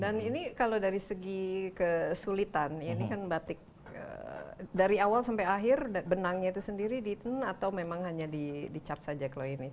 ini kalau dari segi kesulitan ini kan batik dari awal sampai akhir benangnya itu sendiri diten atau memang hanya dicat saja kalau ini